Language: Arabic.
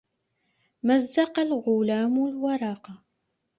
مَزَّقَ الْغُلاَمُ الْوَرَقَ.